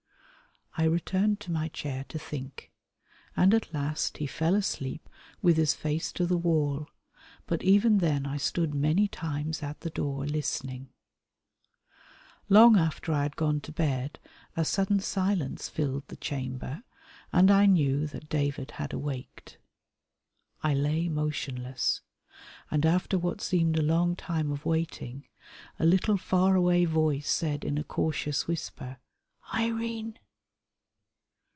I returned to my chair to think, and at last he fell asleep with his face to the wall, but even then I stood many times at the door, listening. Long after I had gone to bed a sudden silence filled the chamber, and I knew that David had awaked. I lay motionless, and, after what seemed a long time of waiting, a little far away voice said in a cautious whisper, "Irene!"